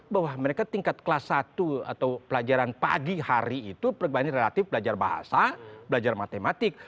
bahwa mereka tingkat kelas satu atau pelajaran pagi hari itu pribadi relatif belajar bahasa belajar matematik